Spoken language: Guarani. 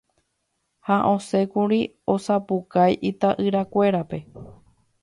ha osẽkuri osapukái ita'yrakuérape